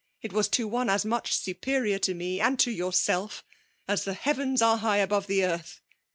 It was to one as much superior to me and to yourself as the Heavens are high above the earth!